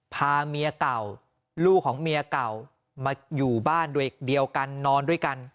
พาเมียเก่าลูกของเมียเก่ามาอยู่บ้านด้วยเดียวกันนอนด้วยกัน